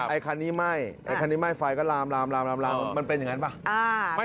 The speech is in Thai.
ไอ่คันนี่ไหม้ไฟก็ลำมันเป็นอย่างแบบนี้